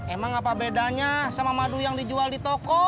emang apa bedanya sama madu yang dijual di toko